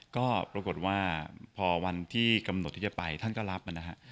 ก็ปรากฏว่าพอวันที่กำหนดที่จะไปท่านก็รับนะฮะ